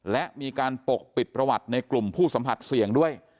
และมีการปกปิดประวัติในกลุ่มผู้สัมผัสเสี่ยงด้วย